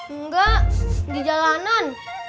enggak di jalanan